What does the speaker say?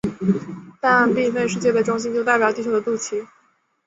但并非世界的中心就代表地球的肚脐。